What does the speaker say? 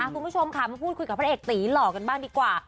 คุณผู้ชมค่ะมาพูดคุยกับพระเอกตีหล่อกันบ้างดีกว่า